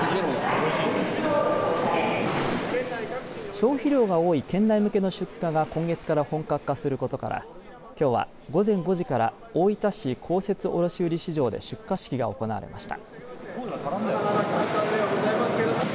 消費量が多い県内向けの出荷が今月から本格化することからきょうは午前５時から大分市公設卸売市場で出荷式が行われました。